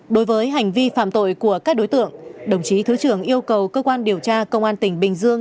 đối với hành vi phạm tội của các đối tượng đồng chí thứ trưởng yêu cầu cơ quan điều tra công an tỉnh bình dương